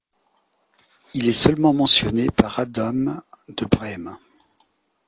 Il est seulement mentionné par Adam de Brême.